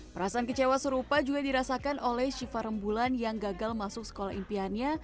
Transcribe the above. perasaan kecewa serupa juga dirasakan oleh shiva rembulan yang gagal masuk sekolah impiannya